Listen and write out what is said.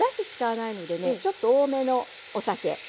ちょっと多めのお酒。